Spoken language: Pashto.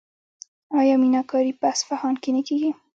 آیا میناکاري په اصفهان کې نه کیږي؟